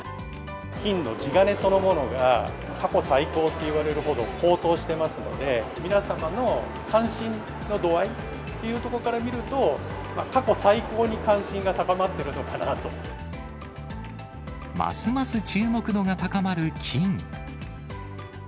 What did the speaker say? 金の地金そのものが過去最高っていわれるほど高騰してますので、皆様の関心の度合いというところから見ると、過去最高に関心が高ますます注目度が高まる金。